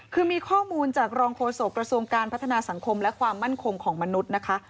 คือมีข้อมูลจากรองโฆษกระทรวงการพัฒนาสังคมและความมั่นคงของมนุษย์นะคะ